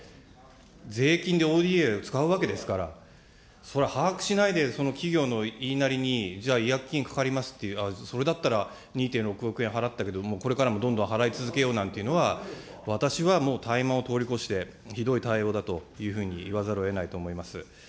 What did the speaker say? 税金でＯＤＡを使うわけですから、それ、把握しないでその企業の言いなりに、じゃあ、違約金かかりますって、じゃあそれだったら、２．６億円払ったけど、これからもどんどん払い続けようなんていうのは、私はもう怠慢を通り越して、ひどい対応だというふうに言わざるをえないと思います。